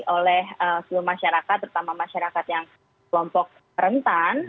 oleh seluruh masyarakat terutama masyarakat yang kelompok rentan